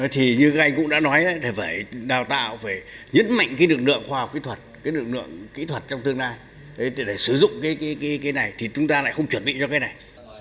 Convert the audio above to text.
thì như các anh cũng đã nói để phải đào tạo phải nhấn mạnh cái lực lượng khoa học kỹ thuật cái lực lượng kỹ thuật trong tương lai để sử dụng cái này thì chúng ta lại không chuẩn bị cho cái này